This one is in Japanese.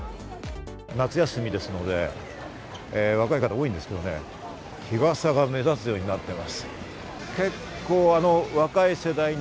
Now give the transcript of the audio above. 夏休みですので、若い方、多いんですけどね、日傘が目立つようになっています。